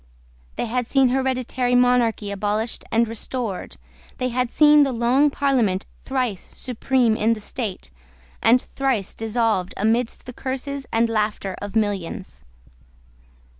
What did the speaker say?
They had seen hereditary monarchy abolished and restored. They had seen the Long Parliament thrice supreme in the state, and thrice dissolved amidst the curses and laughter of millions.